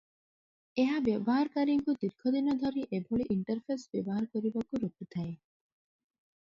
ଏହା ବ୍ୟବହାରକାରୀଙ୍କୁ ଦୀର୍ଘ ଦିନ ଧରି ଏଭଳି ଇଣ୍ଟରଫେସ ବ୍ୟବହାର କରିବାରୁ ରୋକିଥାଏ ।